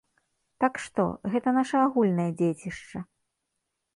Так што, гэта наша агульнае дзецішча.